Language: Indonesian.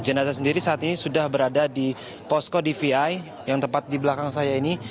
jenazah sendiri saat ini sudah berada di posko dvi yang tepat di belakang saya ini